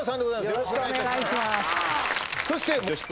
よろしくお願いします